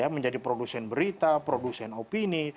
menjadi produsen berita produsen opini